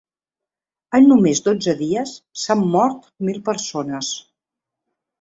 En només dotze dies s’han mort mil persones.